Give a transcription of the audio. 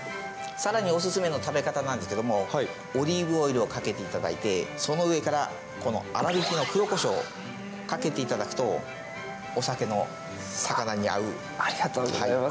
更におすすめの食べ方なんですけれどもオリーブオイルをかけていただいてその上から粗びきの黒コショウをかけていただくとありがとうございます。